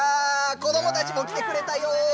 子どもたちも来てくれたよー！